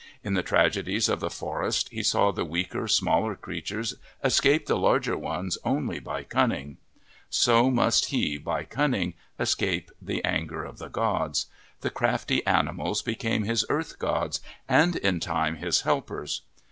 In the trage dies of fJie forfcfevifle saw the weaker, smaller creatures escape the larger 'ones only by cunning. So must he VI PREFACE by cunning escape the anger of the gods. The crafty animals became his earth gods and in time his helpers.